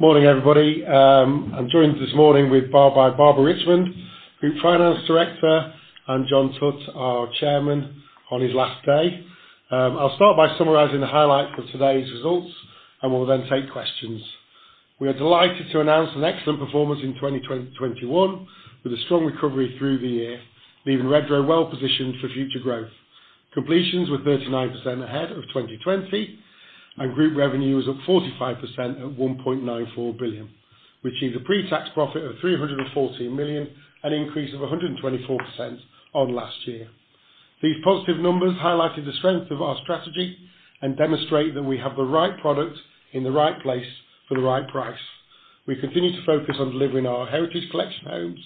Morning, everybody. I'm joined this morning by Barbara Richmond, Group Finance Director, and John Tutte, our Chairman, on his last day. I'll start by summarizing the highlights of today's results, and we'll then take questions. We are delighted to announce an excellent performance in 2021, with a strong recovery through the year, leaving Redrow well-positioned for future growth. Completions were 39% ahead of 2020, and group revenue was up 45% at 1.94 billion, which is a pre-tax profit of 340 million, an increase of 124% on last year. These positive numbers highlighted the strength of our strategy and demonstrate that we have the right product in the right place for the right price. We continue to focus on delivering our Heritage Collection homes,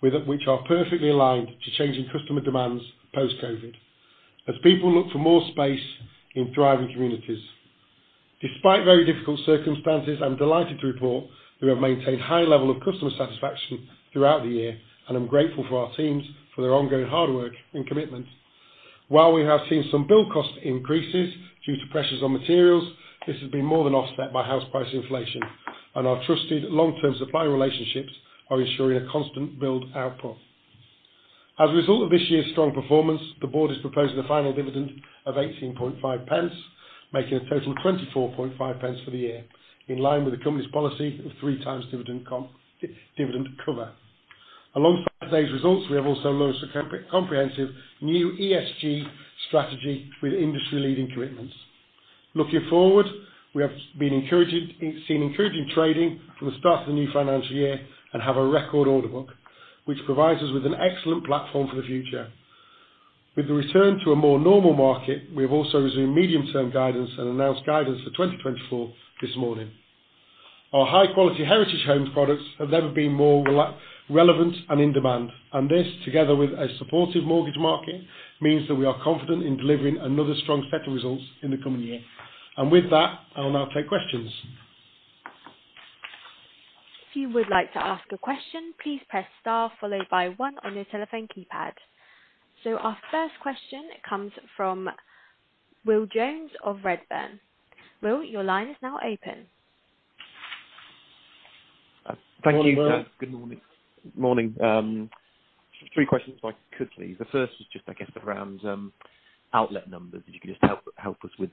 which are perfectly aligned to changing customer demands post-COVID, as people look for more space in thriving communities. Despite very difficult circumstances, I'm delighted to report we have maintained high level of customer satisfaction throughout the year, and I'm grateful for our teams for their ongoing hard work and commitment. While we have seen some build cost increases due to pressures on materials, this has been more than offset by house price inflation, and our trusted long-term supplier relationships are ensuring a constant build output. As a result of this year's strong performance, the board is proposing a final dividend of 0.185, making a total of 0.245 for the year, in line with the company's policy of 3x dividend cover. Along with today's results, we have also launched a comprehensive new ESG strategy with industry-leading commitments. Looking forward, we have seen encouraging trading from the start of the new financial year and have a record order book, which provides us with an excellent platform for the future. With the return to a more normal market, we have also resumed medium-term guidance and announced guidance for 2024 this morning. Our high-quality Heritage Homes products have never been more relevant and in demand, and this, together with a supportive mortgage market, means that we are confident in delivering another strong set of results in the coming year. With that, I'll now take questions. If you would like to ask a question, please press star followed by one on your telephone keypad. Our first question comes from Will Jones of Redburn. Will, your line is now open. Thank you. Good morning. Morning. Three questions if I could, please. The first is just, I guess, around outlet numbers. If you could just help us with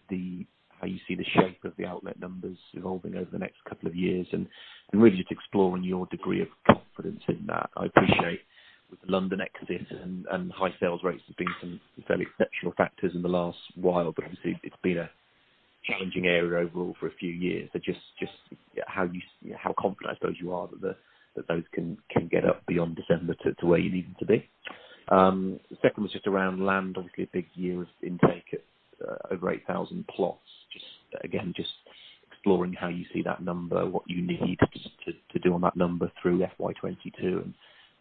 how you see the shape of the outlet numbers evolving over the next couple of years. Really just exploring your degree of confidence in that. I appreciate with the London exit and high sales rates have been some fairly exceptional factors in the last while, but obviously it's been a challenging area overall for a few years. Just how confident I suppose you are that those can get up beyond December to where you need them to be. The second was just around land. Obviously, a big year of intake at over 8,000 plots. Just again, just exploring how you see that number, what you need to do on that number through FY 2022.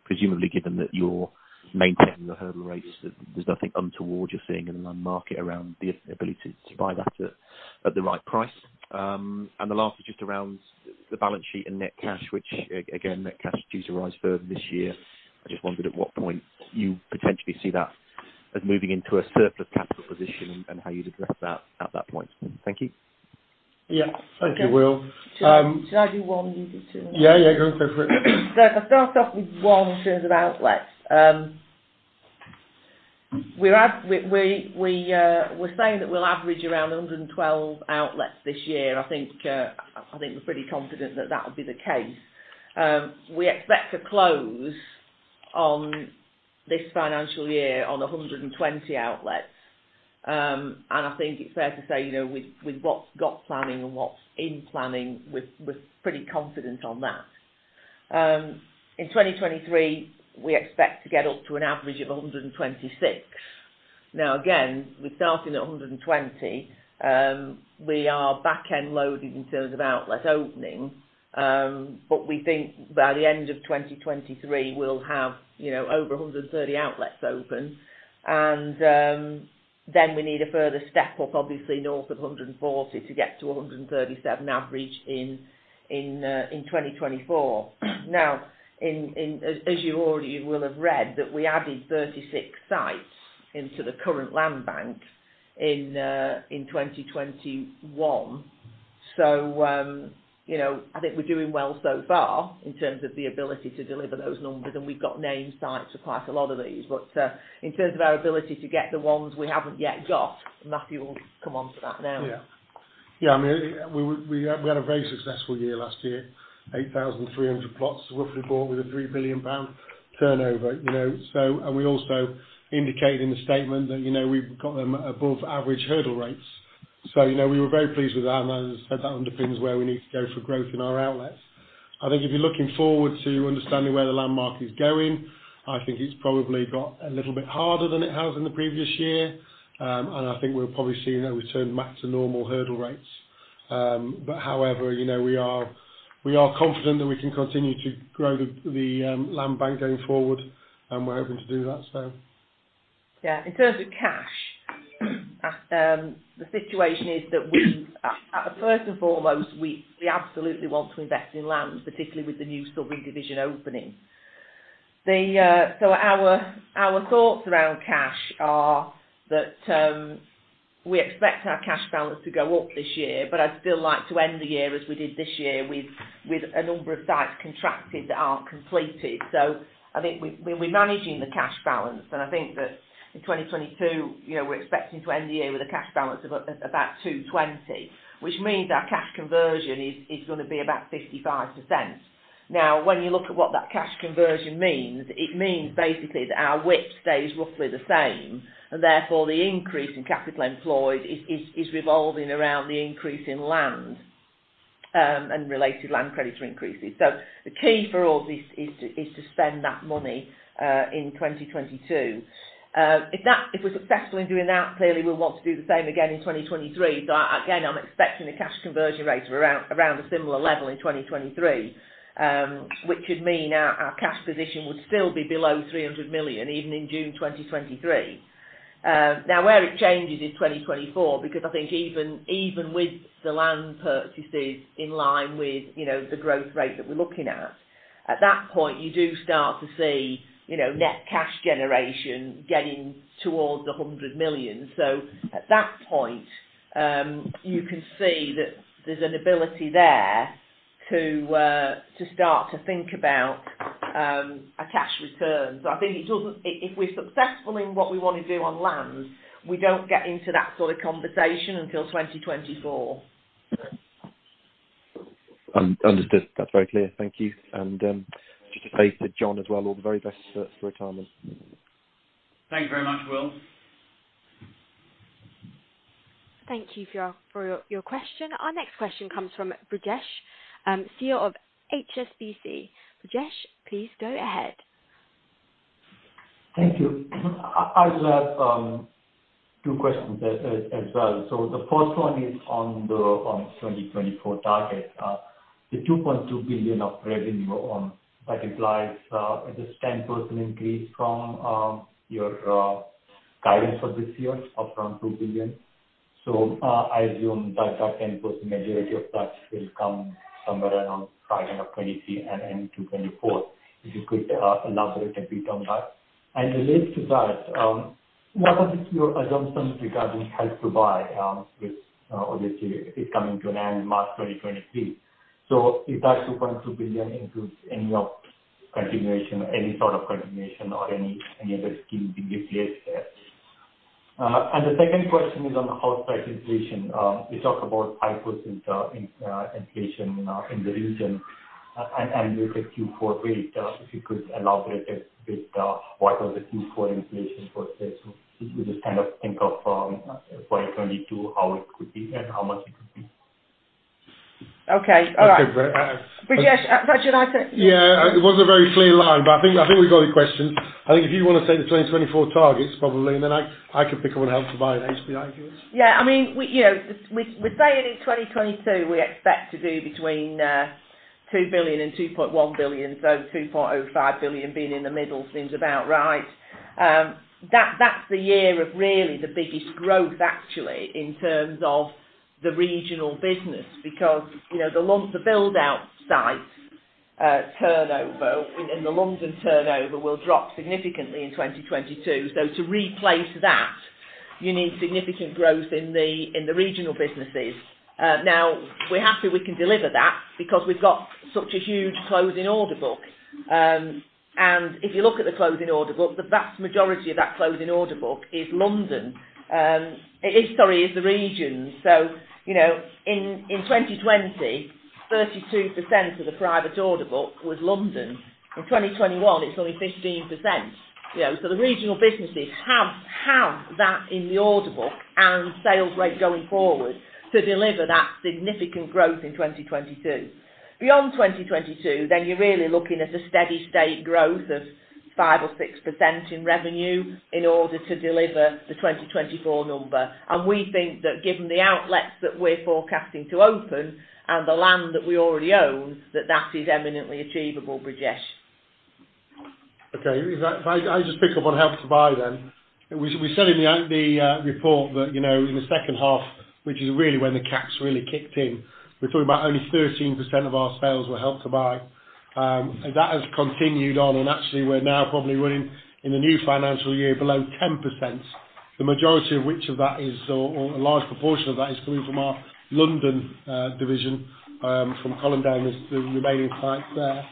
Presumably given that you're maintaining the hurdle rates, there's nothing untoward you're seeing in the land market around the ability to buy that at the right price. The last is just around the balance sheet and net cash, which again, net cash is due to rise further this year. I just wondered at what point you potentially see that as moving into a surplus capital position and how you'd address that at that point. Thank you. Yeah. Thank you, Will. Should I do one, you do two? Yeah. Go for it. If I start off with one in terms of outlets. We're saying that we'll average around 112 outlets this year, and I think we're pretty confident that that will be the case. We expect to close on this financial year on 120 outlets. I think it's fair to say, with what's got planning and what's in planning, we're pretty confident on that. In 2023, we expect to get up to an average of 126. Again, with starting at 120, we are back-end loaded in terms of outlet opening. We think by the end of 2023, we'll have over 130 outlets open, and then we need a further step up, obviously north of 140 to get to 137 average in 2024. As you already will have read, that we added 36 sites into the current land bank in 2021. I think we're doing well so far in terms of the ability to deliver those numbers. We've got named sites for quite a lot of these. In terms of our ability to get the ones we haven't yet got, Matthew will come on to that now. Yeah. We had a very successful year last year, 8,300 plots roughly bought with a 3 billion pound turnover. We also indicated in the statement that we've got them above average hurdle rates. We were very pleased with that, and as I said, that underpins where we need to go for growth in our outlets. I think if you're looking forward to understanding where the land market is going, I think it's probably got a little bit harder than it has in the previous year. I think we're probably seeing a return back to normal hurdle rates. However, we are confident that we can continue to grow the land bank going forward, and we're hoping to do that, so. In terms of cash, the situation is that we, first and foremost, we absolutely want to invest in land, particularly with the new Southern division opening. Our thoughts around cash are that we expect our cash balance to go up this year, but I'd still like to end the year as we did this year, with a number of sites contracted that aren't completed. I think we're managing the cash balance, and I think that in 2022, we're expecting to end the year with a cash balance of about 220 million, which means our cash conversion is going to be about 55%. When you look at what that cash conversion means, it means basically that our WIP stays roughly the same, and therefore the increase in capital employed is revolving around the increase in land, and related land credit increases. The key for all this is to spend that money in 2022. If we're successful in doing that, clearly we'll want to do the same again in 2023. Again, I'm expecting the cash conversion rate around a similar level in 2023, which would mean our cash position would still be below 300 million, even in June 2023. Now, where it changes is 2024, because I think even with the land purchases in line with the growth rate that we're looking at that point, you do start to see net cash generation getting towards 100 million. At that point, you can see that there's an ability there to start to think about a cash return. I think if we're successful in what we want to do on land, we don't get into that sort of conversation until 2024. Understood. That's very clear. Thank you. Just to say to John as well, all the very best for retirement. Thank you very much, Will. Thank you John for your question. Our next question comes from Brijesh Siya of HSBC. Brijesh, please go ahead. Thank you. I just have two questions as well. The first one is on the 2024 target. The 2.2 billion of revenue on that implies it is 10% increase from your guidance for this year of around 2 billion. I assume that that 10% majority of that will come somewhere around second of 2023 and into 2024. If you could elaborate a bit on that. Related to that, what are your assumptions regarding Help to Buy with obviously it coming to an end in March 2023. If that 2.2 billion includes any of continuation, any sort of continuation or any other scheme being replaced there. The second question is on the house price inflation. You talk about 5% in inflation in the region and with the Q4 rate, if you could elaborate a bit what was the Q4 inflation for this. If we just kind of think of for 2022, how it could be and how much it could be. Okay. All right. Okay. Brijesh. Matt, should I take this? It wasn't a very clear line, but I think we got the question. I think if you want to take the 2024 targets probably, and then I could pick up on Help to Buy and HPI if you wish. Yeah. I mean, we're saying in 2022, we expect to do between 2 billion and 2.1 billion. 2.05 billion being in the middle seems about right. That's the year of really the biggest growth actually, in terms of the regional business, because the build-out sites turnover and the London turnover will drop significantly in 2022. To replace that, you need significant growth in the regional businesses. We're happy we can deliver that because we've got such a huge closing order book. If you look at the closing order book, the vast majority of that closing order book is London. Sorry, is the regions. In 2020, 32% of the private order book was London. In 2021, it's only 15%. The regional businesses have that in the order book and sales rate going forward to deliver that significant growth in 2022. Beyond 2022, then you're really looking at a steady state growth of 5% or 6% in revenue in order to deliver the 2024 number. We think that given the outlets that we're forecasting to open and the land that we already own, that that is eminently achievable, Brijesh. Okay. If I just pick up on Help to Buy then. We said in the report that in the second half, which is really when the caps really kicked in, we're talking about only 13% of our sales were Help to Buy. That has continued on, and actually we're now probably running in the new financial year below 10%, the majority of which of that is, or a large proportion of that is coming from our London division, from Colindale and the remaining sites there.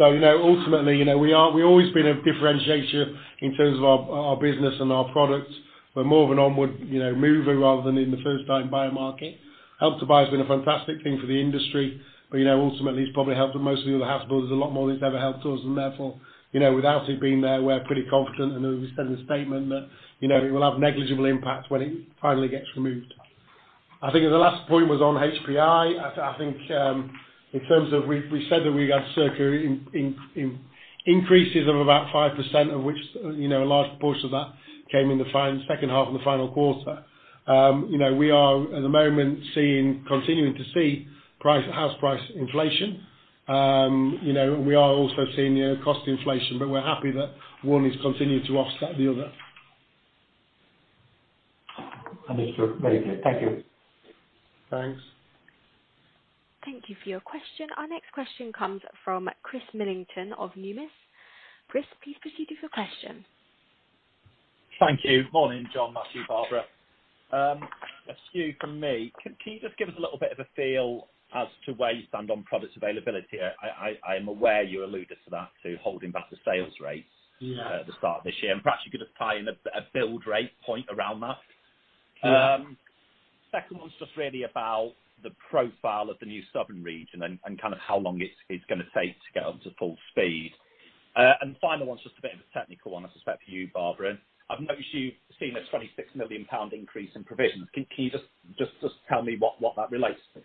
Ultimately, we always been a differentiator in terms of our business and our products. We're more of an onward mover rather than in the first time buyer market. Help to Buy has been a fantastic thing for the industry, ultimately it's probably helped most of the other house builders a lot more than it's ever helped us, therefore, without it being there, we're pretty confident, and as we said in the statement that it will have negligible impact when it finally gets removed. I think the last point was on HPI. I think, in terms of, we said that we had circa increases of about 5%, of which a large portion of that came in the second half and the final quarter. We are at the moment continuing to see house price inflation. We are also seeing cost inflation, we're happy that one has continued to offset the other. Understood. Very clear. Thank you. Thanks. Thank you for your question. Our next question comes from Chris Millington of Numis. Chris, please proceed with your question. Thank you. Morning, John, Matthew, Barbara. A few from me. Can you just give us a little bit of a feel as to where you stand on product availability? I am aware you alluded to that, to holding back the sales rates. Yeah At the start of this year. perhaps you could apply in a build rate point around that. Yeah. Second one's just really about the profile of the new Southern region and kind of how long it's going to take to get up to full speed. The final one's just a bit of a technical one, I suspect for you, Barbara. I've noticed you've seen a 26 million pound increase in provisions. Can you just tell me what that relates to?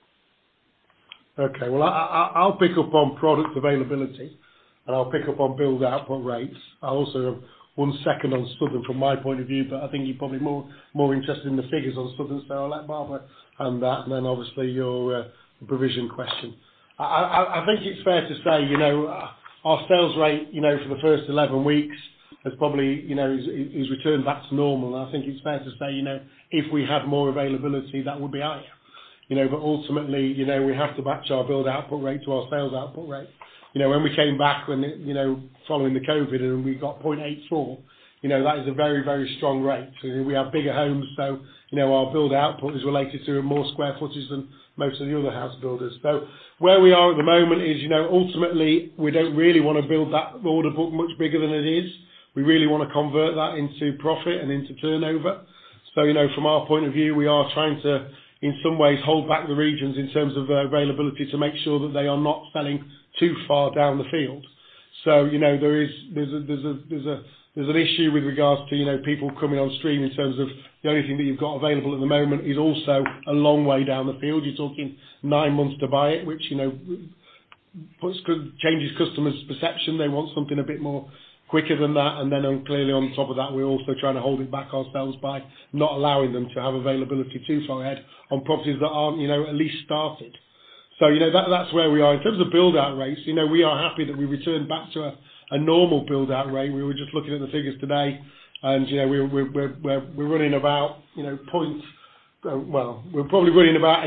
Okay. Well, I'll pick up on product availability, and I'll pick up on build output rates. I also have one second on Southern from my point of view, but I think you're probably more interested in the figures on Southern, so I'll let Barbara handle that, and then obviously your provision question. I think it's fair to say, our sales rate for the first 11 weeks is returned back to normal, and I think it's fair to say, if we have more availability, that would be higher. Ultimately, we have to match our build output rate to our sales output rate. When we came back, following the COVID, and we got 0.84, that is a very, very strong rate. We have bigger homes, so our build output is related to more square footage than most of the other house builders. Where we are at the moment is, ultimately, we don't really want to build that order book much bigger than it is. We really want to convert that into profit and into turnover. From our point of view, we are trying to, in some ways, hold back the regions in terms of availability to make sure that they are not selling too far down the field. There's an issue with regards to people coming on stream in terms of the only thing that you've got available at the moment is also a long way down the field. You're talking nine months to buy it, which changes customers' perception. They want something a bit more quicker than that. Clearly on top of that, we're also trying to hold it back ourselves by not allowing them to have availability too far ahead on properties that aren't at least started. That's where we are. In terms of build out rates, we are happy that we returned back to a normal build out rate. We were just looking at the figures today, and we're probably running about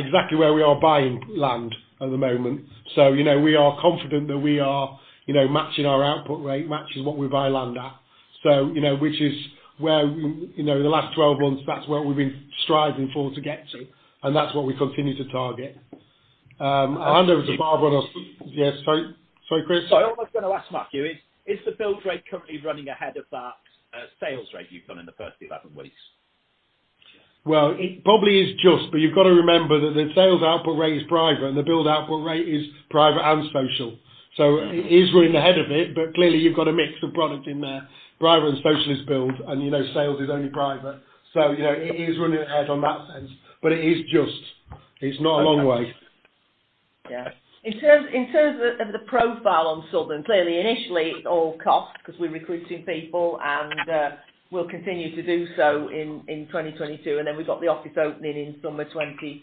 exactly where we are buying land at the moment. We are confident that we are matching our output rate, matching what we buy land at. Which is where in the last 12 months, that's what we've been striving for to get to, and that's what we continue to target. I'll hand over to Barbara. Yes, sorry, Chris. Sorry, I was going to ask Matthew, is the build rate currently running ahead of that sales rate you've done in the first 11 weeks? It probably is just, but you've got to remember that the sales output rate is private and the build output rate is private and social. It is running ahead of it, but clearly you've got a mix of product in there. Private and social is build, and sales is only private. It is running ahead on that sense, but it is just. It's not a long way. Okay. Yeah. In terms of the profile on Southern, clearly initially it's all cost because we're recruiting people, and we'll continue to do so in 2022, and then we've got the office opening in summer 2022,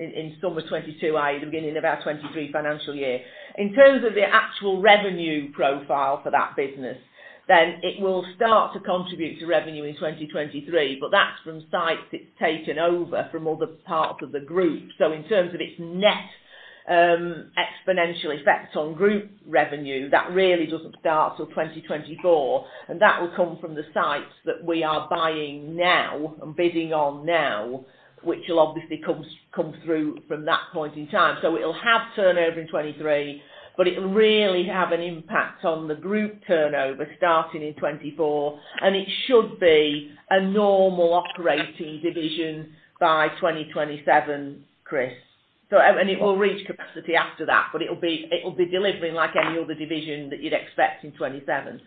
i.e., the beginning of our 2023 financial year. In terms of the actual revenue profile for that business, it will start to contribute to revenue in 2023, but that's from sites it's taken over from other parts of the group. In terms of its net exponential effect on group revenue, that really doesn't start till 2024, and that will come from the sites that we are buying now and bidding on now, which will obviously come through from that point in time. It'll have turnover in 2023, but it will really have an impact on the group turnover starting in 2024, and it should be a normal operating division by 2027, Chris. It will reach capacity after that, but it'll be delivering like any other division that you'd expect in 2027.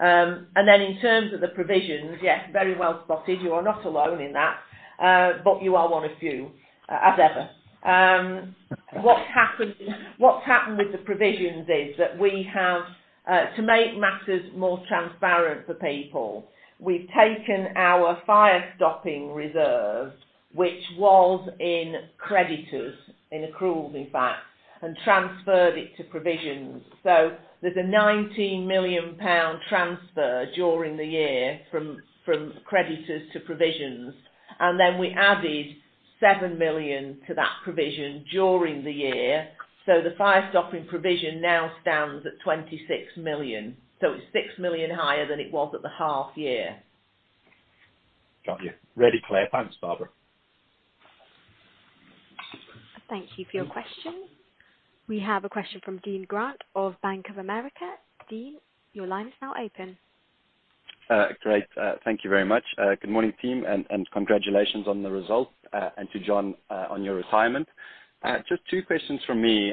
In terms of the provisions, yes, very well spotted. You are not alone in that, but you are one of few, as ever. What's happened with the provisions is that we have, to make matters more transparent for people, we've taken our fire-stopping reserve, which was in creditors, in accrual in fact, and transferred it to provisions. There's a 19 million pound transfer during the year from creditors to provisions, and then we added 7 million to that provision during the year. The fire-stopping provision now stands at 26 million. It's 6 million higher than it was at the half year. Got you. Really clear. Thanks, Barbara. Thank you for your question. We have a question from Dean Grant of Bank of America. Dean, your line is now open. Great. Thank you very much. Good morning, team, and congratulations on the results, and to John on your retirement. Just two questions from me,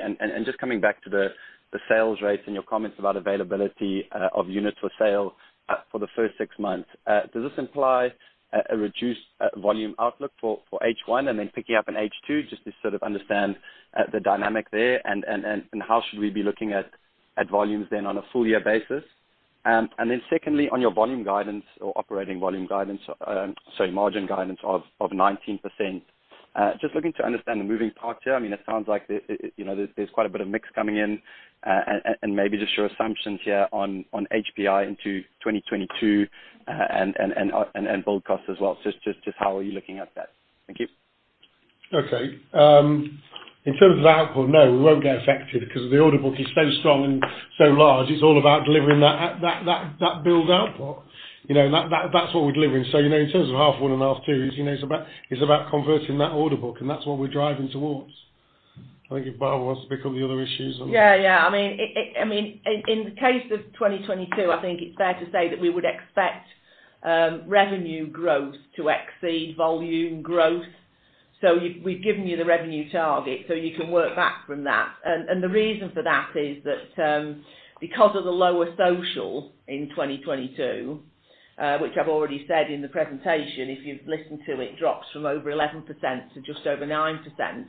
coming back to the sales rates and your comments about availability of units for sale for the first six months. Does this imply a reduced volume outlook for H1 and then picking up in H2, just to sort of understand the dynamic there, and how should we be looking at volumes then on a full year basis? Secondly, on your volume guidance or operating volume guidance, sorry, margin guidance of 19%. Just looking to understand the moving parts here. It sounds like there's quite a bit of mix coming in, and maybe just your assumptions here on HPI into 2022, and build cost as well. Just how are you looking at that? Thank you. In terms of output, no, we won't get affected because the order book is so strong and so large, it's all about delivering that build output. That's what we're delivering. In terms of half one and half two, it's about converting that order book, and that's what we're driving towards. I think if Barbara wants to pick up the other issues on that. Yeah. In the case of 2022, I think it's fair to say that we would expect revenue growth to exceed volume growth. We've given you the revenue target, so you can work back from that. The reason for that is that because of the lower social in 2022, which I've already said in the presentation, if you've listened to it, drops from over 11% to just over 9%.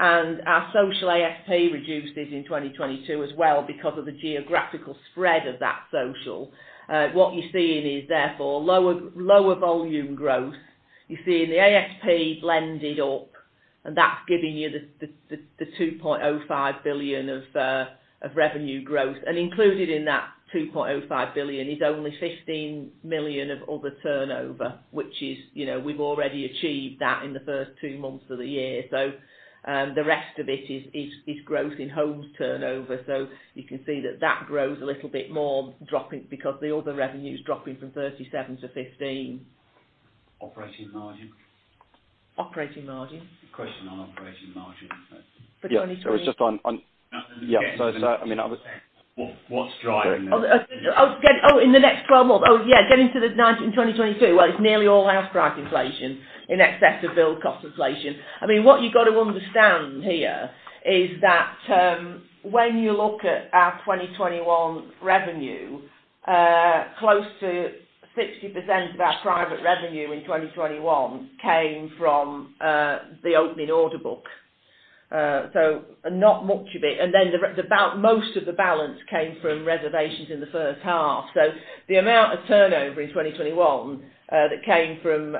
Our social ASP reduces in 2022 as well because of the geographical spread of that social. What you're seeing is therefore lower volume growth. You're seeing the ASP blended up, and that's giving you the 2.05 billion of revenue growth. Included in that 2.05 billion is only 15 million of other turnover, which we've already achieved that in the first two months of the year. The rest of it is growth in homes turnover. You can see that that grows a little bit more because the other revenue is dropping from 37 million to 15 million. Operating margin. Operating margin? Question on operating margin. For 2022? Yeah. What's driving that? Oh, in the next 12 months? Oh, yeah, getting to the time 2022. Well, it's nearly all house price inflation in excess of build cost inflation. What you got to understand here is that when you look at our 2021 revenue, close to 60% of our private revenue in 2021 came from the opening order book. Not much of it. Most of the balance came from reservations in the first half. The amount of turnover in 2021 that came from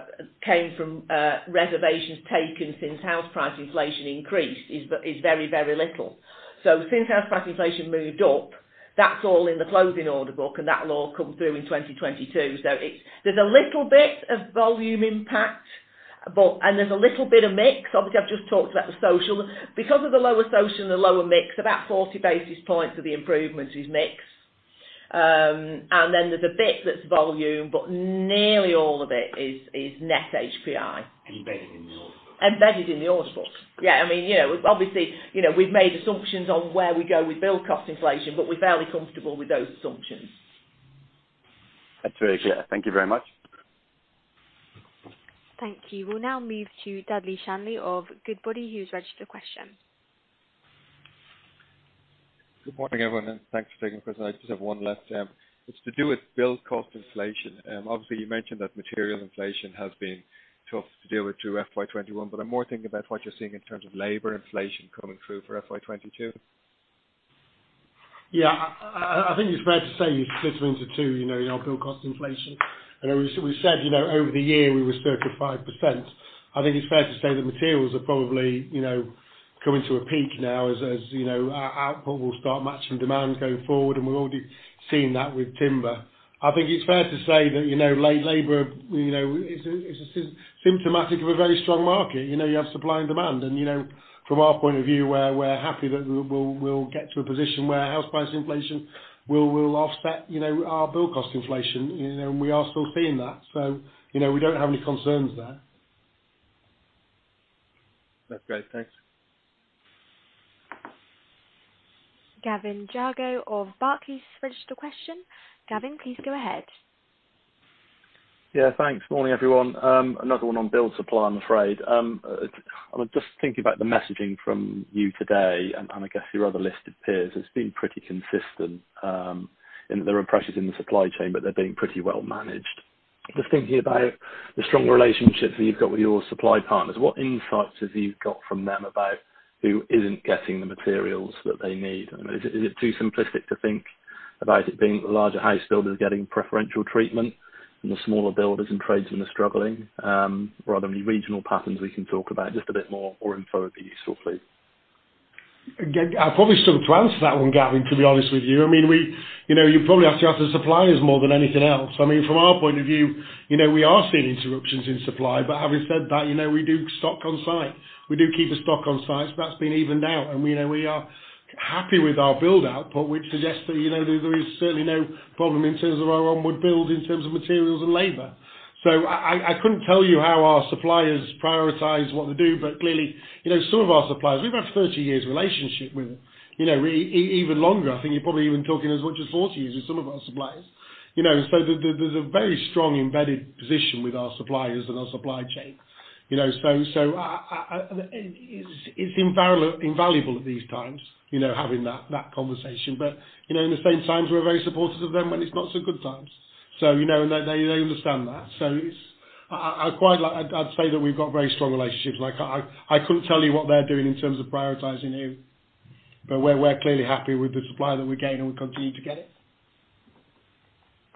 reservations taken since house price inflation increased is very, very little. Since house price inflation moved up, that's all in the closing order book, and that will all come through in 2022. There's a little bit of volume impact, and there's a little bit of mix. Obviously, I've just talked about the social. Because of the lower social and the lower mix, about 40 basis points of the improvements is mix. There's a bit that's volume, but nearly all of it is net HPI. Embedded in the order book. Embedded in the order book. Yeah. Obviously, we've made assumptions on where we go with build cost inflation, but we're fairly comfortable with those assumptions. That's really clear. Thank you very much. Thank you. We'll now move to Dudley Shanley of Goodbody. He's registered a question. Good morning, everyone, thanks for taking the question. I just have one last. It's to do with build cost inflation. Obviously, you mentioned that material inflation has been tough to deal with through FY 2021, but I'm more thinking about what you're seeing in terms of labor inflation coming through for FY 2022. Yeah. I think it's fair to say you split them into two in our build cost inflation. We said over the year we were circa 5%. I think it's fair to say that materials are probably coming to a peak now as our output will start matching demand going forward, and we're already seeing that with timber. I think it's fair to say that late labor, it's symptomatic of a very strong market. You have supply and demand, and from our point of view, we're happy that we'll get to a position where house price inflation will offset our build cost inflation. We are still seeing that. We don't have any concerns there. That's great. Thanks. Gavin Jago of Barclays registered a question. Gavin, please go ahead. Yeah. Thanks. Morning, everyone. Another one on build supply, I'm afraid. I was just thinking about the messaging from you today, and I guess your other listed peers has been pretty consistent, in that there are pressures in the supply chain, but they're being pretty well managed. Just thinking about the strong relationships that you've got with your supply partners, what insights have you got from them about who isn't getting the materials that they need? Is it too simplistic to think about it being the larger housebuilders getting preferential treatment, and the smaller builders and tradesmen are struggling? Are there any regional patterns we can talk about? Just a bit more info would be useful, please. I probably struggle to answer that one, Gavin, to be honest with you. You probably have to ask the suppliers more than anything else. From our point of view, we are seeing interruptions in supply, but having said that, we do stock on site. We do keep a stock on site. That's been evened out, and we are happy with our build output, which suggests that there is certainly no problem in terms of our onward build in terms of materials and labor. I couldn't tell you how our suppliers prioritize what they do, but clearly, some of our suppliers, we've had 30 years relationship with them. Even longer. I think you're probably even talking as much as 40 years with some of our suppliers. There's a very strong embedded position with our suppliers and our supply chain. It's invaluable at these times having that conversation. In the same times, we're very supportive of them when it's not so good times. They understand that. I'd say that we've got very strong relationships. I couldn't tell you what they're doing in terms of prioritizing who. We're clearly happy with the supply that we're getting, and we continue to get it.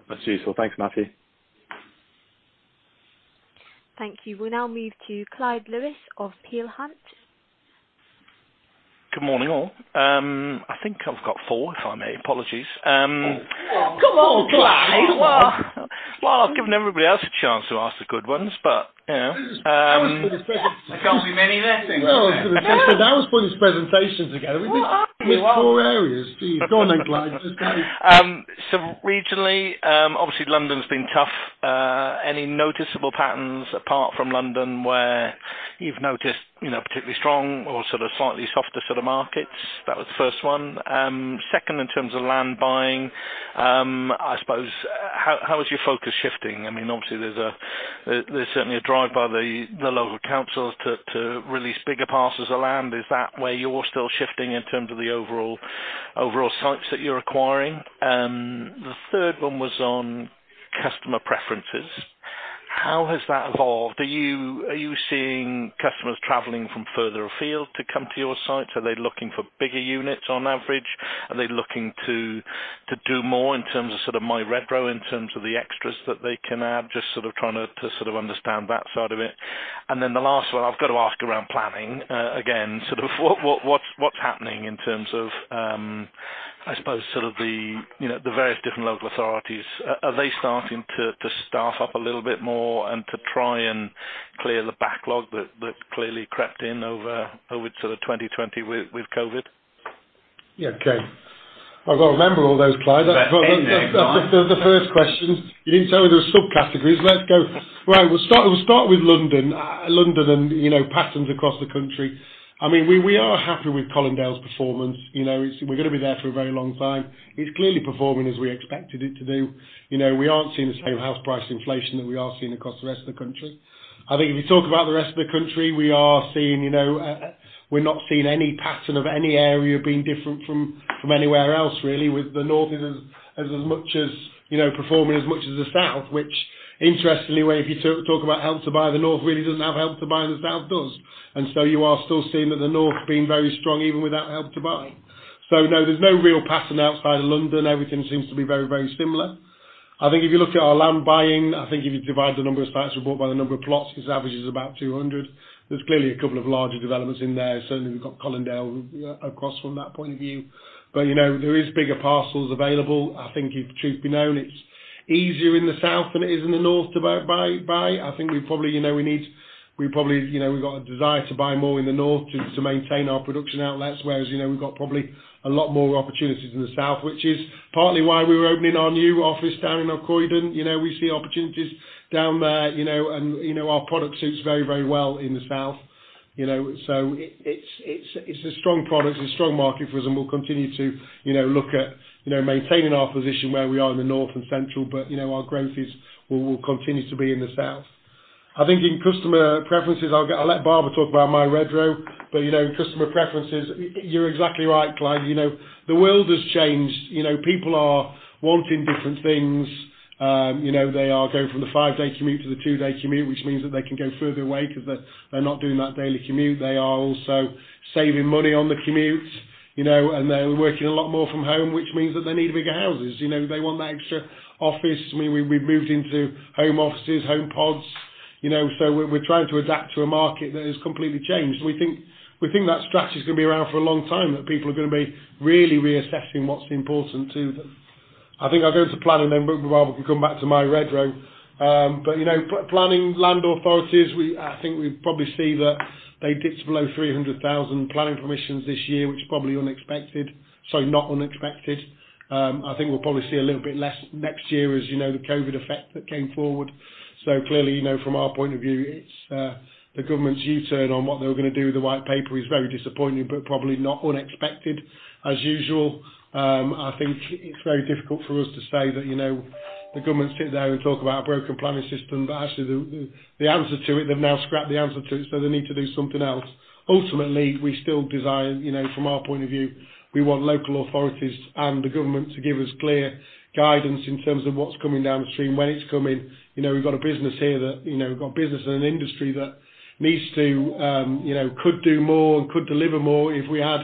That's useful. Thanks, Matthew. Thank you. We'll now move to Clyde Lewis of Peel Hunt. Good morning, all. I think I've got four, if I may. Apologies. Come on, Clyde. Well, I've given everybody else a chance to ask the good ones, but, you know. I was putting this presentation. There can't be many left. No, I was going to say, I was putting this presentation together. Well, are you? We have four areas. Go on then, Clyde. Just go. Regionally, obviously London's been tough. Any noticeable patterns apart from London where you've noticed particularly strong or sort of slightly softer sort of markets? That was the first one. Second, in terms of land buying, I suppose, how is your focus shifting? Obviously, there's certainly a drive by the local councils to release bigger parcels of land. Is that where you're still shifting in terms of the overall sites that you're acquiring? The third one was on customer preferences. How has that evolved? Are you seeing customers traveling from further afield to come to your sites? Are they looking for bigger units on average? Are they looking to do more in terms of My Redrow, in terms of the extras that they can add? Just trying to understand that side of it. Then the last one I've got to ask around planning, again. What's happening in terms of the various different local authorities? Are they starting to staff up a little bit more and to try and clear the backlog that clearly crept in over 2020 with COVID? Yeah, okay. I've got to remember all those, Clyde. Is that 10 then, Clyde? The first question, you didn't tell me there was subcategories. Let's go. Right. We'll start with London and patterns across the country. We are happy with Colindale's performance. We're going to be there for a very long time. It's clearly performing as we expected it to do. We aren't seeing the same house price inflation that we are seeing across the rest of the country. I think if you talk about the rest of the country, we're not seeing any pattern of any area being different from anywhere else, really. With the North is performing as much as the South, which interestingly, if you talk about Help to Buy, the North really doesn't have Help to Buy and the South does. You are still seeing that the North being very strong even without Help to Buy. No, there's no real pattern outside of London. Everything seems to be very similar. I think if you look at our land buying, I think if you divide the number of sites we bought by the number of plots, because the average is about 200. There's clearly a couple of larger developments in there. Certainly, we've got Colindale across from that point of view. There is bigger parcels available. I think truth be known, it's easier in the South than it is in the North to buy. I think we probably, we've got a desire to buy more in the North to maintain our production outlets, whereas, we've got probably a lot more opportunities in the South, which is partly why we're opening our new office down in Croydon. We see opportunities down there. Our product suits very well in the South. It's a strong product and strong market for us, and we'll continue to look at maintaining our position where we are in the North and Central, but our growth will continue to be in the South. I think in customer preferences, I'll let Barbara talk about My Redrow. Customer preferences, you're exactly right, Clyde. The world has changed. People are wanting different things. They are going from the five-day commute to the two-day commute, which means that they can go further away because they're not doing that daily commute. They are also saving money on the commute, and they're working a lot more from home, which means that they need bigger houses. They want that extra office. We've moved into home offices, home pods. We're trying to adapt to a market that has completely changed. We think that strategy is going to be around for a long time, that people are going to be really reassessing what's important to them. I think I'll go to planning, then we can come back to My Redrow. Planning, land authorities, I think we probably see that they dipped below 300,000 planning permissions this year, which is probably unexpected. Sorry, not unexpected. I think we'll probably see a little bit less next year as the COVID effect that came forward. Clearly, from our point of view, the government's U-turn on what they were going to do with the white paper is very disappointing, but probably not unexpected, as usual. I think it's very difficult for us to say that the government sit there and talk about a broken planning system, but actually the answer to it, they've now scrapped the answer to it, they need to do something else. Ultimately, we still desire, from our point of view, we want local authorities and the government to give us clear guidance in terms of what's coming down the stream, when it's coming. We've got a business here, we've got a business and an industry that could do more and could deliver more if we had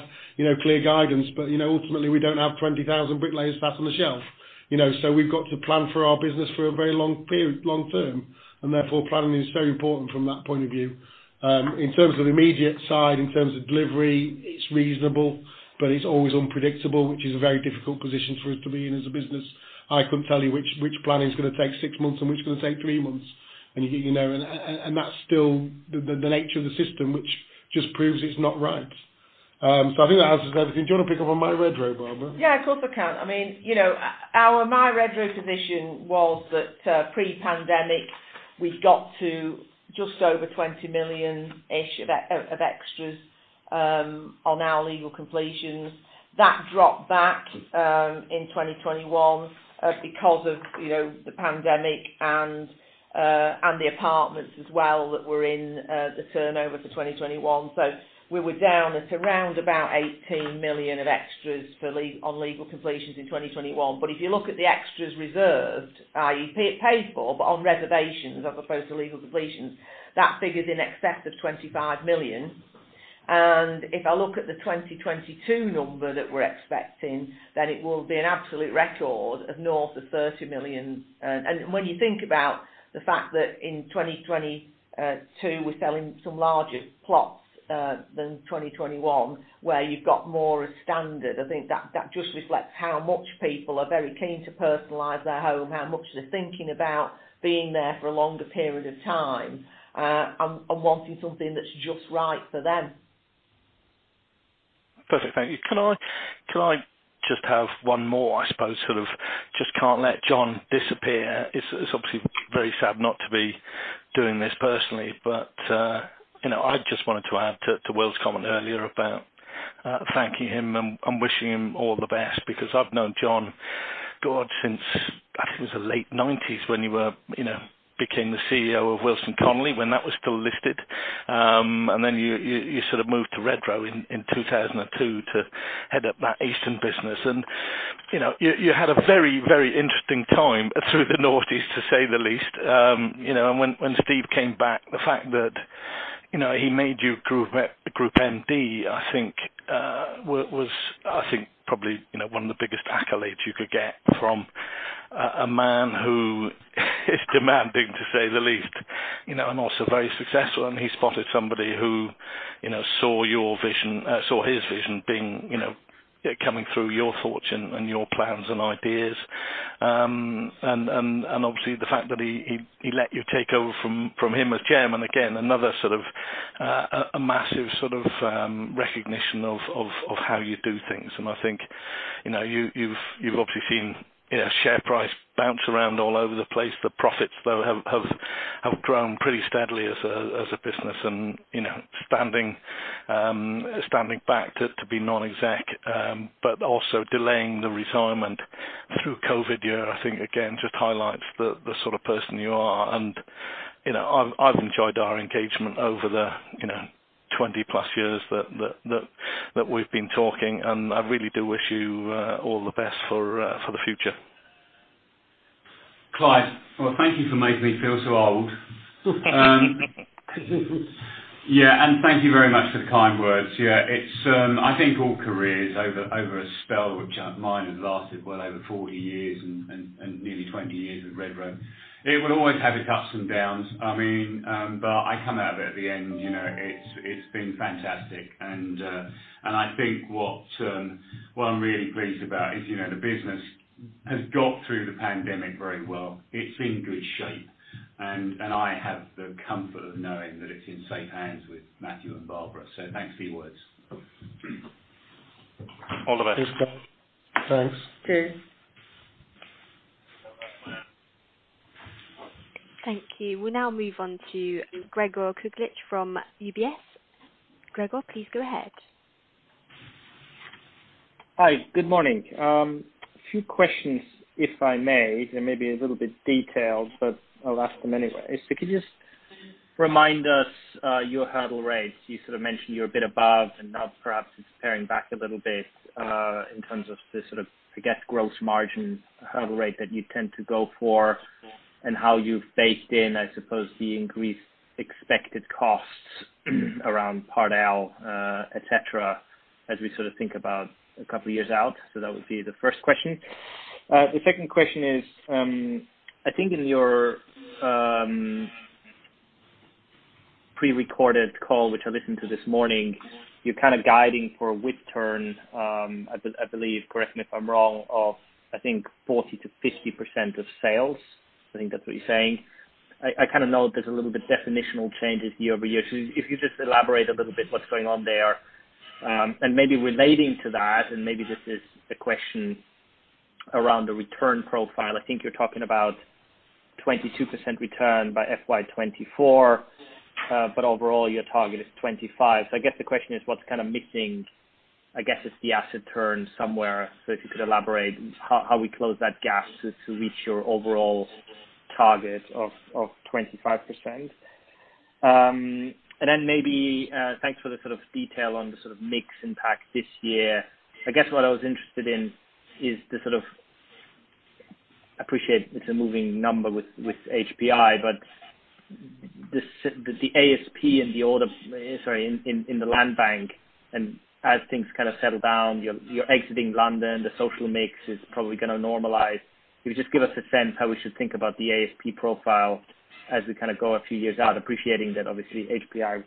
clear guidance. Ultimately, we don't have 20,000 bricklayers sat on the shelf. We've got to plan for our business for a very long term, and therefore planning is very important from that point of view. In terms of immediate side, in terms of delivery, it's reasonable, but it's always unpredictable, which is a very difficult position for us to be in as a business. I couldn't tell you which planning is going to take six months and which is going to take three months. That's still the nature of the system, which just proves it's not right. I think that answers everything. Do you want to pick up on My Redrow, Barbara? Yeah, of course I can. Our My Redrow position was that pre-pandemic, we got to just over 20 million-ish of extras on our legal completions. That dropped back in 2021 because of the pandemic and the apartments as well that were in the turnover for 2021. We were down at around about 18 million of extras on legal completions in 2021. If you look at the extras reserved, i.e., paid for, but on reservations as opposed to legal completions, that figure is in excess of 25 million. If I look at the 2022 number that we're expecting, then it will be an absolute record of North of 30 million. When you think about the fact that in 2022, we're selling some larger plots than 2021, where you've got more as standard, I think that just reflects how much people are very keen to personalize their home, how much they're thinking about being there for a longer period of time, and wanting something that's just right for them. Perfect. Thank you. Can I just have one more? I suppose, just can't let John disappear. It's obviously very sad not to be doing this personally, but I just wanted to add to Will's comment earlier about thanking him and wishing him all the best because I've known John, God, since, I think it was the late 1990s, when you became the CEO of Wilson Connolly, when that was still listed. You moved to Redrow in 2002 to head up that eastern business. You had a very interesting time through the Northeast, to say the least. When Steve came back, the fact that he made you Group MD, I think, was probably one of the biggest accolades you could get from a man who is demanding, to say the least, and also very successful. He spotted somebody who saw his vision coming through your thoughts and your plans and ideas. Obviously, the fact that he let you take over from him as chairman, again, another massive recognition of how you do things. I think you've obviously seen share price bounce around all over the place. The profits, though, have grown pretty steadily as a business, and standing back to be non-exec, but also delaying the retirement through COVID year, I think, again, just highlights the sort of person you are. I've enjoyed our engagement over the 20+ years that we've been talking, and I really do wish you all the best for the future. Clyde, well, thank you for making me feel so old. Yeah. Thank you very much for the kind words. Yeah. I think all careers over a spell, which mine has lasted well over 40 years and nearly 20 years with Redrow. It will always have its ups and downs. I come out of it at the end, it's been fantastic. I think what I'm really pleased about is the business has got through the pandemic very well. It's in good shape. I have the comfort of knowing that it's in safe hands with Matthew and Barbara. So, thanks for your words. All the best. Thanks. Cheers. Thank you. We'll now move on to Gregor Kuglitsch from UBS. Gregor, please go ahead. Hi. Good morning. A few questions if I may. They may be a little bit detailed, but I'll ask them anyway. Could you just remind us your hurdle rates? You mentioned you're a bit above and now perhaps it's pairing back a little bit, in terms of the gross margin hurdle rate that you tend to go for, and how you've baked in, I suppose, the increased expected costs around Part L, et cetera, as we think about a couple of years out. That would be the first question. The second question is, I think in your pre-recorded call, which I listened to this morning, you're guiding for a WIP turn, I believe, correct me if I'm wrong, of I think 40%-50% of sales. I think that's what you're saying. I know there's a little bit definitional changes year-over-year. If you could just elaborate a little bit what's going on there. Maybe relating to that, and maybe this is a question around the return profile. I think you're talking about 22% return by FY 2024. Overall, your target is 25%. I guess the question is what's missing, I guess, is the asset turn somewhere. If you could elaborate how we close that gap to reach your overall target of 25%. Maybe, thanks for the detail on the mix impact this year. I guess what I was interested in is, I appreciate it's a moving number with HPI, but the ASP in the land bank, and as things settle down, you're exiting London, the social mix is probably going to normalize. Can you just give us a sense how we should think about the ASP profile as we go a few years out, appreciating that obviously HPI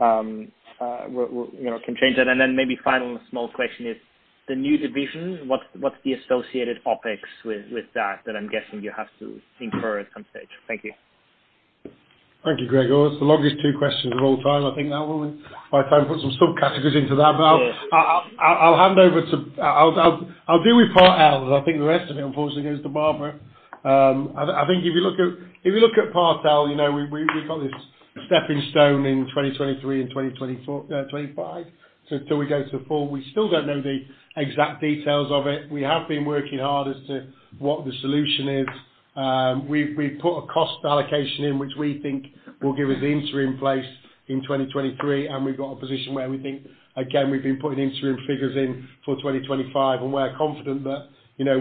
can change that? Then maybe final small question is the new division, what's the associated OpEx with that? That I'm guessing you have to incur at some stage. Thank you. Thank you, Gregor. It's the longest two questions of all time. I think that one might try and put some subcategories into that. Yeah. I'll deal with Part L. I think the rest of it, unfortunately, goes to Barbara. I think if you look at Part L, we've got this stepping stone in 2023 and 2025 till we go to full. We still don't know the exact details of it. We have been working hard as to what the solution is. We put a cost allocation in which we think will give us the interim place in 2023, and we've got a position where we think, again, we've been putting interim figures in for 2025, and we're confident that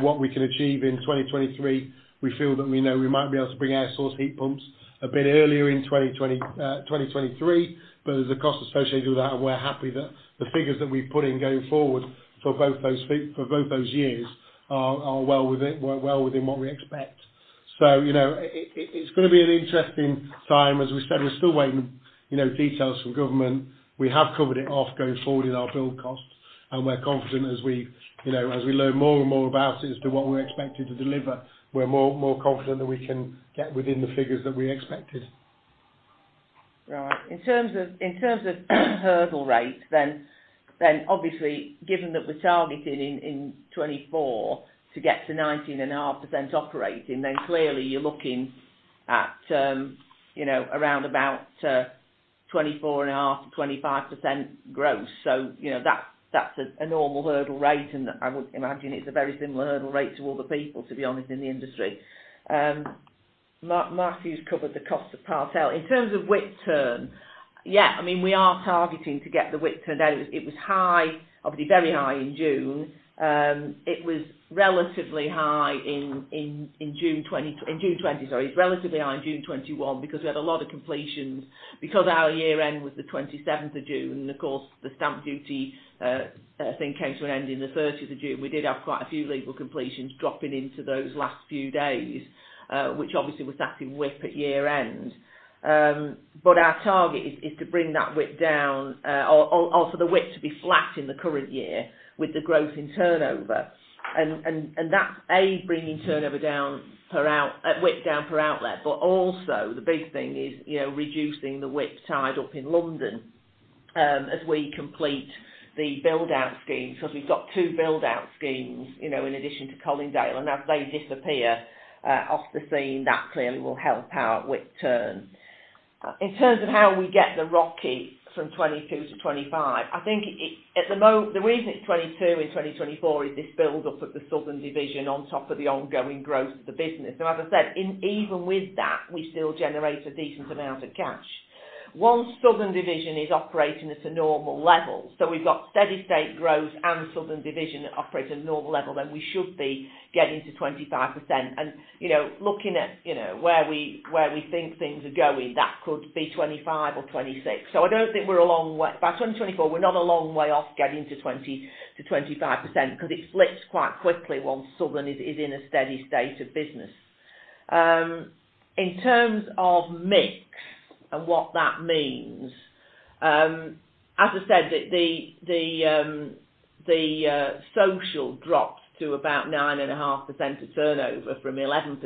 what we can achieve in 2023, we feel that we know we might be able to bring air source heat pumps a bit earlier in 2023. There's a cost associated with that, and we're happy that the figures that we put in going forward for both those years are well within what we expect. It's going to be an interesting time. As we said, we're still waiting on details from government. We have covered it off going forward in our build costs, and we're confident as we learn more and more about it as to what we're expected to deliver. We're more confident that we can get within the figures that we expected. In terms of hurdle rate, obviously given that we're targeting in 2024 to get to 19.5% operating, clearly you're looking at around about 24.5%-25% gross. That's a normal hurdle rate, and I would imagine it's a very similar hurdle rate to other people, to be honest, in the industry. Matthew's covered the Part L. In terms of WIP turn, yeah, we are targeting to get the WIP turn out. It was high, obviously very high in June. It was relatively high in June 2021, we had a lot of completions. Our year end was the 27th of June, and of course, the stamp duty thing came to an end in the 30th of June. We did have quite a few legal completions dropping into those last few days, which obviously was sat in WIP at year end. Our target is to bring that WIP down, or for the WIP to be flat in the current year with the growth in turnover. That's, A, bringing WIP down per outlet. Also, the big thing is reducing the WIP tied up in London as we complete the build-out scheme. We've got two build-out schemes, in addition to Colindale, and as they disappear off the scene, that clearly will help our WIP turn. In terms of how we get the ROCE from 22% to 25%, I think the reason it's 22% in 2024 is this build-up of the Southern division on top of the ongoing growth of the business. As I said, even with that, we still generate a decent amount of cash. Once Southern division is operating at a normal level, so we've got steady state growth and Southern division operating at normal level, we should be getting to 25%. Looking at where we think things are going, that could be 25% or 26%. I don't think we're a long way, by 2024, we're not a long way off getting to 20%-25%, because it flips quite quickly once Southern is in a steady state of business. In terms of mix and what that means, as I said, the social dropped to about 9.5% of turnover from 11%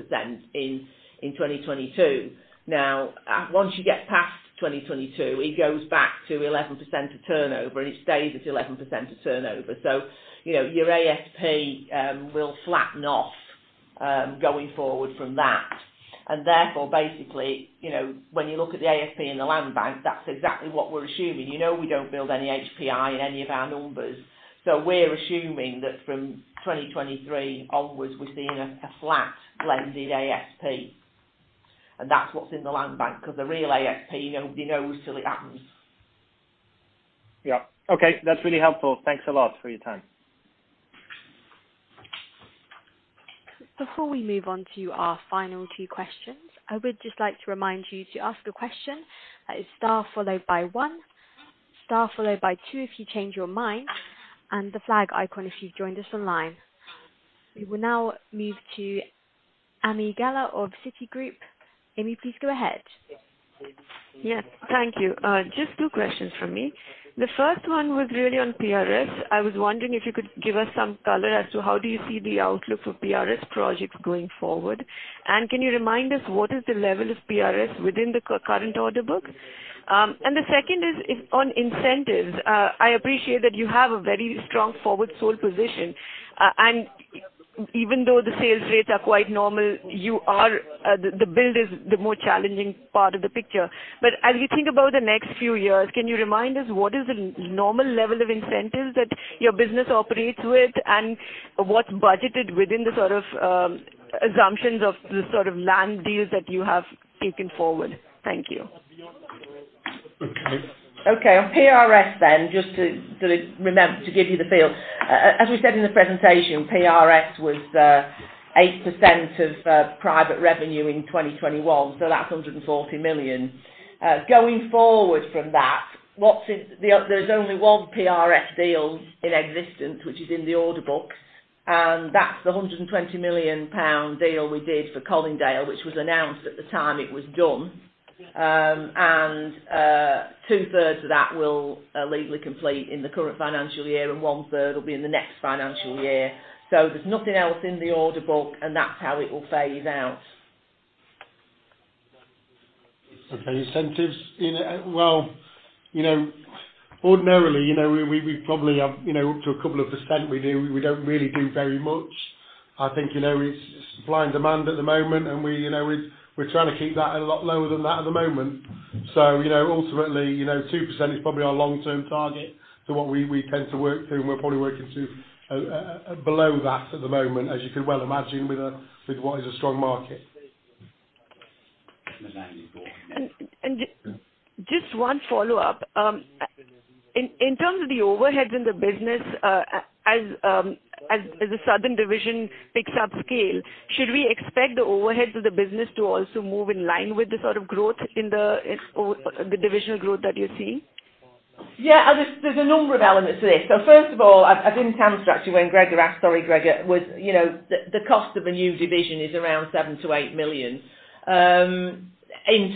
in 2022. Now, once you get past 2022, it goes back to 11% of turnover, and it stays at 11% of turnover. Your ASP will flatten off going forward from that. Therefore, basically, when you look at the ASP and the land bank, that's exactly what we're assuming. You know we don't build any HPI in any of our numbers. We're assuming that from 2023 onwards, we're seeing a flat blended ASP. That's what's in the land bank, because the real ASP, you know till it happens. Yeah. Okay. That's really helpful. Thanks a lot for your time. Before we move on to our final two questions, I would just like to remind you to ask a question. That is star followed by one, star followed by two if you change your mind, and the flag icon if you've joined us online. We will now move to Ami Galla of Citigroup. Ami, please go ahead. Yes. Thank you. Just two questions from me. The first one was really on PRS. I was wondering if you could give us some color as to how do you see the outlook for PRS projects going forward. Can you remind us what is the level of PRS within the current order book? The second is on incentives. I appreciate that you have a very strong forward sold position. Even though the sales rates are quite normal, the build is the more challenging part of the picture. As you think about the next few years, can you remind us what is the normal level of incentives that your business operates with, and what's budgeted within the sort of assumptions of the land deals that you have taken forward? Thank you. Okay. On PRS, just to give you the feel. As we said in the presentation, PRS was 8% of private revenue in 2021, so that's 140 million. Going forward from that, there's only one PRS deal in existence, which is in the order book. That's the 120 million pound deal we did for Colindale, which was announced at the time it was done. 2/3 of that will legally complete in the current financial year, and 1/3 will be in the next financial year. There's nothing else in the order book, and that's how it will phase out. Okay. Incentives. Well, ordinarily, we probably have up to 2%. We don't really do very much. I think it's supply and demand at the moment, and we're trying to keep that a lot lower than that at the moment. Ultimately, 2% is probably our long-term target to what we tend to work to, and we're probably working to below that at the moment, as you can well imagine with what is a strong market. Just one follow-up. In terms of the overheads in the business, as the Southern division picks up scale, should we expect the overheads of the business to also move in line with the sort of growth in the divisional growth that you're seeing? Yeah. There's a new value on it, to this day. First of all, I didn't answer actually when Gregor asked, sorry, Gregor, the cost of a new division is around 7 million-8 million in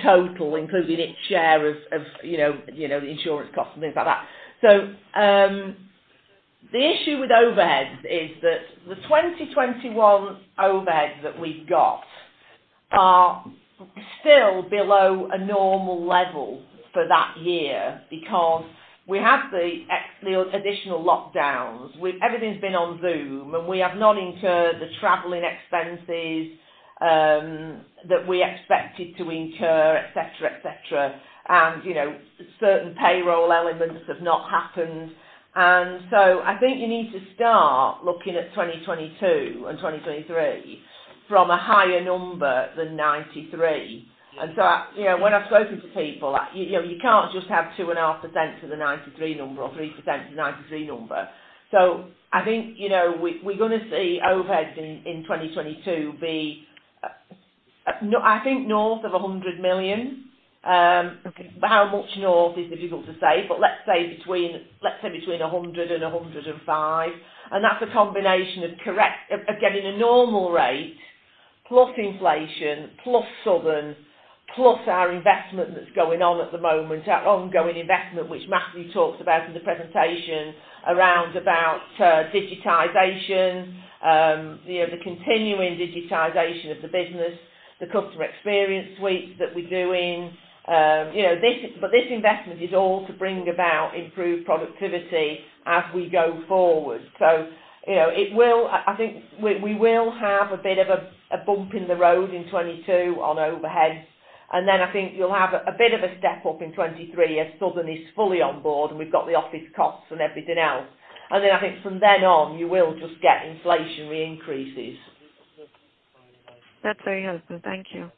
total, including its share of the insurance cost and things like that. The issue with overheads is that the 2021 overheads that we got are still below a normal level for that year because we have the additional lockdowns. Everything's been on Zoom, and we have not incurred the traveling expenses that we expected to incur, et cetera. Certain payroll elements have not happened. I think you need to start looking at 2022 and 2023 from a higher number than 93 million. When I've spoken to people, you can't just have 2.5% to the 93 million number or 3% to the 93 million number. I think, we're going to see overheads in 2022 be, I think, north of 100 million. Okay. How much north is difficult to say, but let's say between, less than between 100 million and 105 million. That's a combination of getting a normal rate plus inflation, plus Southern, plus our investment that's going on at the moment, our ongoing investment, which Matthew talked about in the presentation around about digitization. The continuing digitization of the business, the customer experience suite that we're doing. This investment is all to bring about improved productivity as we go forward. I think we will have a bit of a bump in the road in 2022 on overheads. Then I think you'll have a bit of a step up in 2023 as Southern is fully on board and we've got the office costs and everything else. Then I think from then on, you will just get inflation re-increases. That's very helpful. Thank you.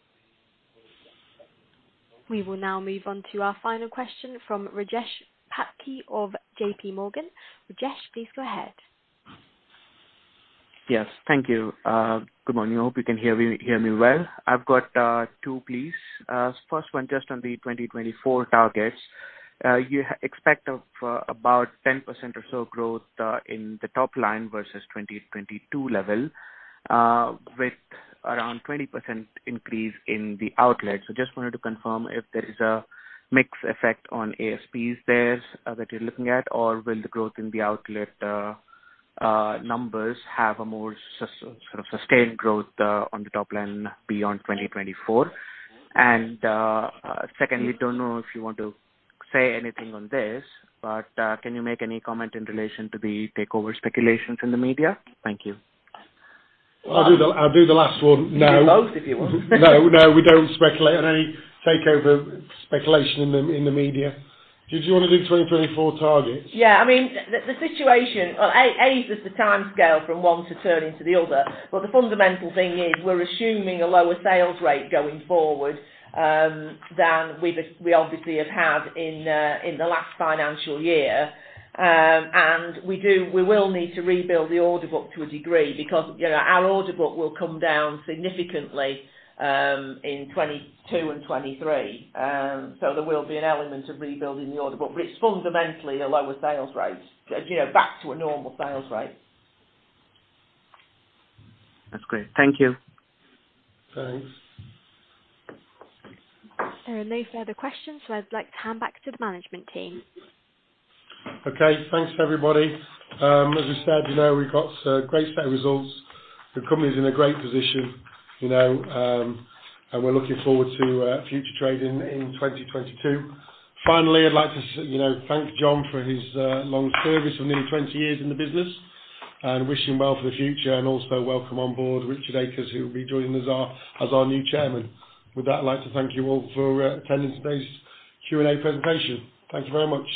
We will now move on to our final question from Rajesh Patki of JPMorgan. Rajesh, please go ahead. Yes. Thank you. Good morning. I hope you can hear me well. I've got two, please. First one, just on the 2024 targets. You expect about 10% or so growth in the top line versus 2022 level, with around 20% increase in the outlet. Just wanted to confirm if there is a mix effect on ASPs there that you're looking at, or will the growth in the outlet numbers have a more sustained growth on the top line beyond 2024? Secondly, don't know if you want to say anything on this, but can you make any comment in relation to the takeover speculations in the media? Thank you. Well- I'll do the last one. No. You can do both if you want. No, we don't speculate on any takeover speculation in the media. Did you want to do 2024 targets? Yeah. The situation. A, is just the timescale from one to turning to the other. The fundamental thing is we're assuming a lower sales rate going forward than we obviously have had in the last financial year. We will need to rebuild the order book to a degree because our order book will come down significantly in 2022 and 2023. There will be an element of rebuilding the order book. It's fundamentally a lower sales rates. Yeah, back to a normal sales rate. That's great. Thank you. Thanks. There are no further questions. I'd like to hand back to the management team. Okay, thanks, everybody. As we said, now we got a great set of results. The company is in a great position, and we're looking forward to future trading in 2022. Finally, I'd like to thank John for his long service of nearly 20 years in the business and wish him well for the future, and also welcome on board Richard Akers, who will be joining us as our new Chairman. With that, I'd like to thank you all for attending today's Q&A presentation. Thank you very much.